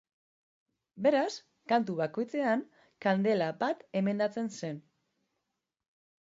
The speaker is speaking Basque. Beraz, kantu bakoitzean kandela bat emendatzen zen.